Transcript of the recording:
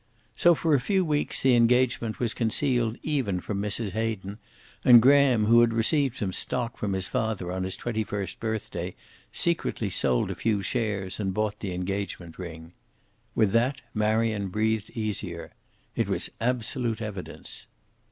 So for a few weeks the engagement was concealed even from Mrs. Hayden, and Graham, who had received some stock from his father on his twenty first birthday, secretly sold a few shares and bought the engagement ring. With that Marion breather easier. It was absolute evidence.